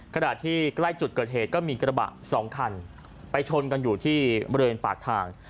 ขณะที่ใกล้จุดเกิดเหตุก็มีกระบะสองคันไปชนกันอยู่ที่บริเวณปากทาง